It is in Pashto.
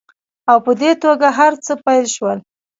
او په دې توګه هرڅه پیل شول